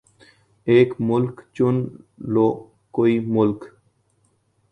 ایک مُلک چُن لو کوئی مُلک